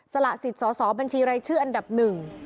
ละสิทธิ์สอสอบัญชีรายชื่ออันดับหนึ่ง